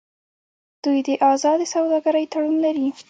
دوی د ازادې سوداګرۍ تړون لري.